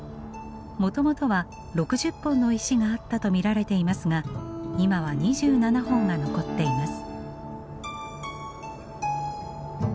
もともとは６０本の石があったと見られていますが今は２７本が残っています。